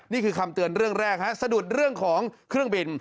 นี่คือคำเตือนเรื่องแรกฮะสะดุดเรื่องของเครื่องบิน